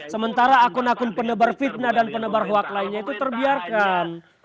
sementara akun akun penebar fitnah dan penebar hoak lainnya itu terbiarkan